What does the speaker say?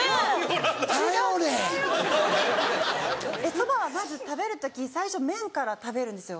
そばはまず食べる時最初麺から食べるんですよ。